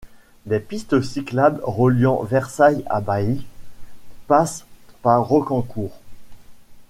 Des pistes cyclables reliant Versailles à Bailly passent par Rocquencourt.